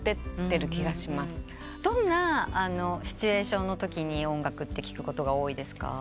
どんなシチュエーションのときに音楽聴くことが多いですか？